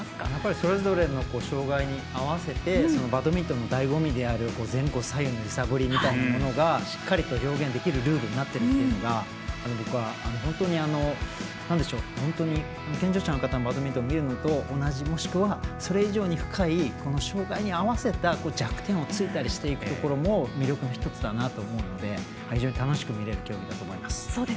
それぞれの障がいに合わせてバドミントンのだいご味である前後左右の揺さぶりみたいなものがしっかりと表現できるルールになっているのが本当に健常者の方のバドミントンを見るのと同じ、もしくはそれより深い弱点を突いたりしていくところも魅力の１つだなと思うので非常に楽しく見れる競技だと思います。